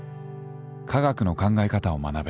科学の考え方を学べ。